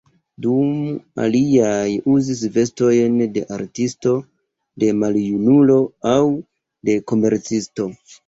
Dum aliaj uzis vestojn de artisto, de maljunulo aŭ de komercisto.